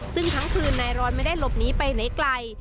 ซึ่งทั้งคืนนายรอนไม่ได้หลบหนีไปไหนไกล